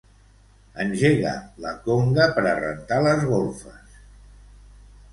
Engega la conga per a rentar les golfes.